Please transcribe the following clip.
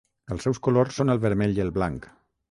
Els seus colors són el vermell i el blanc.